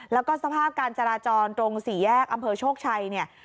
แล้วก็สภาพการจราจรตรง๔แยกอำเภอโชคชัย